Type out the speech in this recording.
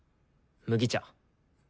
麦茶。